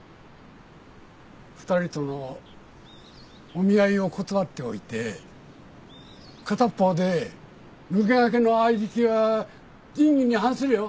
２人ともお見合いを断っておいて片っ方で抜け駆けのあいびきは仁義に反するよ。